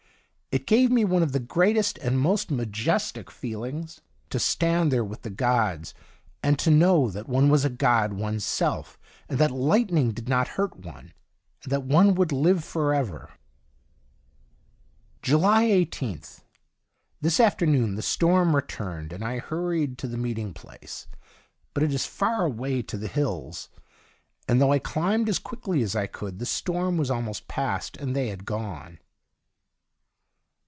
It gave one the greatest and most majestic feelings 23 THE DIARY OF A GOD to stand there with the gods, and to know that one was a god one's self, and that Hghtning did not hurt one, and that one would live for ever. July 18th. — This afternoon the storm returned, and I hurried to the meeting place, but it is far away to the hills, and though I climbed as quickly as I could the storm was almost passed, and they had gone.